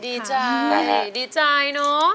ดีใจดีใจเนอะ